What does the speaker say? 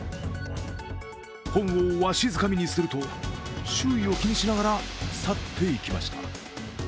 本をわしづかみにすると、周囲を気にしながら去っていきました。